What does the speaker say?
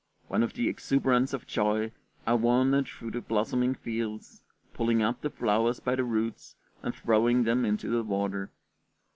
when with the exuberance of joy I wandered through the blossoming fields, pulling up the flowers by the roots and throwing them into the water.